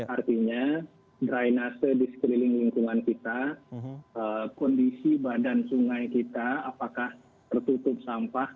artinya drainase di sekeliling lingkungan kita kondisi badan sungai kita apakah tertutup sampah